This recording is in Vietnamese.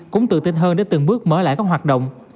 cũng tự tin hơn để từng bước mở lại các hoạt động